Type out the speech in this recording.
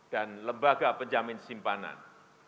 dan lembaga penjamin simpanan